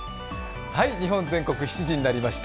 日本全国７時になりました。